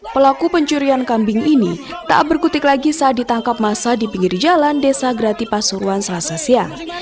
pelaku pencurian kambing ini tak berkutik lagi saat ditangkap masa di pinggir jalan desa grati pasuruan selasa siang